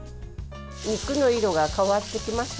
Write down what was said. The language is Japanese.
肉の色が変わってきました。